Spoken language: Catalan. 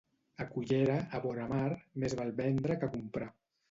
A Cullera, a vora mar, més val vendre que comprar.